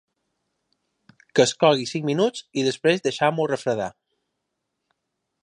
Que es cogui cinc minuts i després deixem-ho refredar.